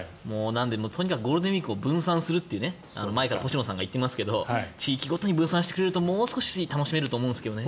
とにかくゴールデンウィークを分散するという前から星野さんが言っていますけど地域ごとに分散してくれるともう少し楽しめると思うんですけどね。